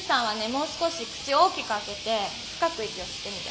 もう少し口を大きく開けて深く息を吸ってみて。